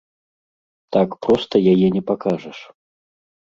Так проста яе не пакажаш.